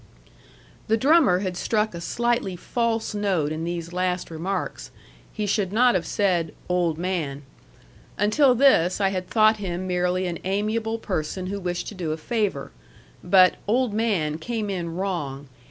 The drummer had struck a slightly false note in these last remarks. He should not have said "old man." Until this I had thought him merely an amiable person who wished to do a favor. But "old man" came in wrong.